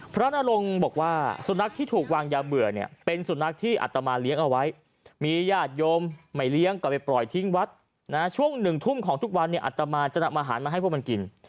นรงค์บอกว่าสุนัขที่ถูกวางยาเบื่อเนี่ยเป็นสุนัขที่อัตมาเลี้ยงเอาไว้มีญาติโยมไม่เลี้ยงก็ไปปล่อยทิ้งวัดช่วงหนึ่งทุ่มของทุกวันเนี่ยอัตมาจะนำอาหารมาให้พวกมันกิน